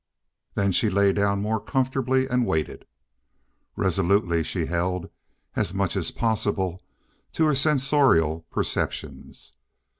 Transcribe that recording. Then she lay down more comfortably and waited. Resolutely she held, as much as possible, to her sensorial perceptions.